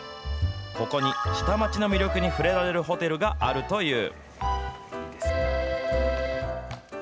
ここに下町の魅力に触れられるホテルがあるという。